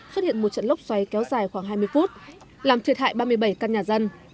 xuất hiện một trận lốc xoáy kéo dài khoảng hai mươi phút làm thiệt hại ba mươi bảy căn nhà dân